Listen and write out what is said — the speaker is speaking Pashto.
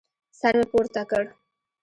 سر مې پورته کړ.